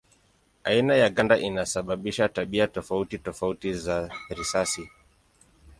Aina ya ganda inasababisha tabia tofauti tofauti za risasi.